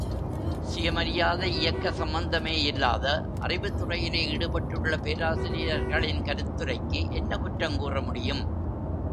சுயமரியாதை இயக்க சம்பந்தமே இல்லாத, அறிவுத்துறையிலே ஈடுபட்டுள்ள பேராசிரியர்களின் கருத்துரைக்கு, என்ன குற்றங் கூற முடியும்?